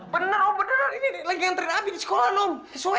bener om bener lagi ngantriin abi di sekolah om